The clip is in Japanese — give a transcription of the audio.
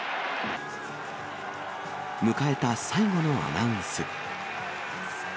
迎えた最後のアナウンス。